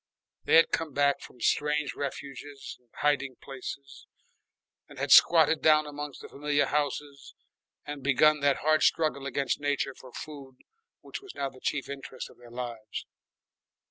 They had come back from strange refuges and hiding places and had squatted down among the familiar houses and begun that hard struggle against nature for food which was now the chief interest of their lives.